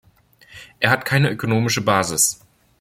Er hat keine ökonomische Basis.